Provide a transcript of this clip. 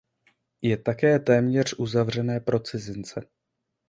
Je také téměř uzavřené pro cizince.